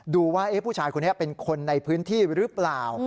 ดูว่าผู้ชายคนนี้เป็นคนในพื้นที่หรือเปล่า